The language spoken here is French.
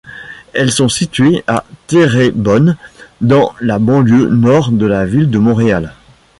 Elles sont situées à Terrebonne, dans la banlieue nord de la ville de Montréal.